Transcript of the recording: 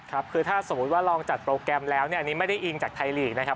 ครับคือถ้าสมมุติว่าลองจัดโปรแกรมแล้วเนี่ยอันนี้ไม่ได้อิงจากไทยลีกนะครับ